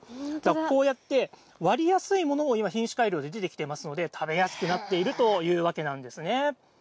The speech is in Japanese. こうやって割りやすいものを今、品種改良ででてきてますので、食べやすくなっているというわけなんですね。